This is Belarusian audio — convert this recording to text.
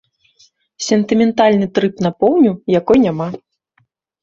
Сентыментальны трып на поўню, якой няма.